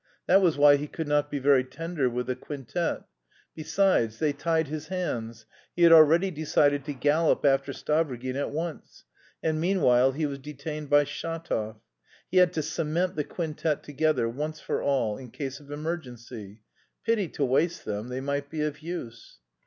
That was why he could not be very tender with the quintet. Besides, they tied his hands: he had already decided to gallop after Stavrogin at once; and meanwhile he was detained by Shatov; he had to cement the quintet together once for all, in case of emergency. "Pity to waste them, they might be of use."